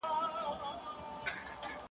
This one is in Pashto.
په ایرو کي ګوتي مه وهه اور به پکښې وي ,